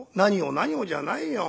「何をじゃないよ。